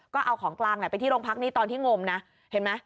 ก็เอาของกลางแหละไปที่โรงพักนี้ตอนที่งมนะเห็นไหม